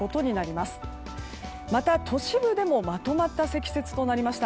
また、都市部でもまとまった積雪となりました。